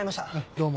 どうも。